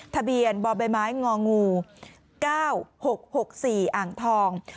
ทะเบียนบ่อใบไม้งองู๙๖๖๔อ่างทอง